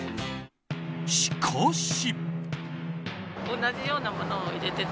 しかし。